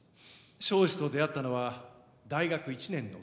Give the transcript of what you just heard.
庄司と出会ったのは大学１年のとき。